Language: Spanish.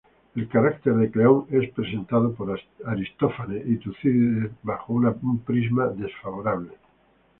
El carácter de Cleón es presentado por Aristófanes y Tucídides bajo un prisma desfavorable.